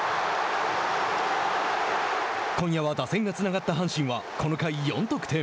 今夜は打線がつながった阪神はこの回、４得点。